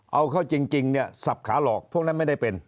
เอาเข้าจริงเนี่ยสับขาหลอกพวกนั้นไม่ได้เป็น